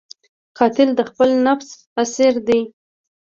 قاتل د خپل نفس اسیر دی